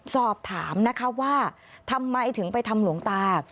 สอบถามนะคะว่าทำไมถึงไปทำหลวงตา